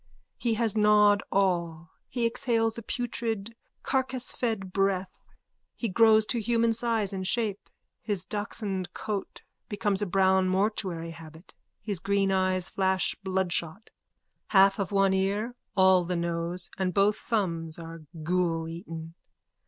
He has gnawed all. He exhales a putrid carcasefed breath. He grows to human size and shape. His dachshund coat becomes a brown mortuary habit. His green eye flashes bloodshot. Half of one ear, all the nose and both thumbs are ghouleaten.)